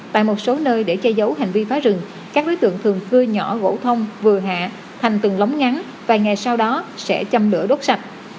tại một số nơi để che giấu hành vi phá rừng các đối tượng thường cưa nhỏ gỗ thông vừa hạ thành từng lóng ngắn và ngày sau đó sẽ châm lửa đốt sạch